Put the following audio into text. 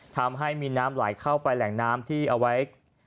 ทำให้มีน้ำไหลเข้าไปแหล่งน้ำที่เอาไว้